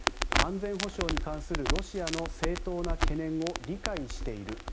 安全保障に関するロシアの正当な懸念を理解している。